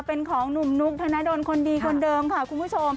เป็นของหนุ่มนุกธนดลคนดีคนเดิมค่ะคุณผู้ชม